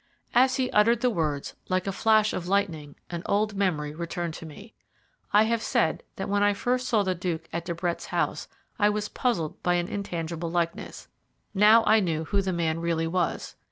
As he uttered the words, like a flash of lightning, an old memory returned to me. I have said that when I first saw the Duke at De Brett's house I was puzzled by an intangible likeness. Now I knew who the man really was.